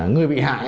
người bị hại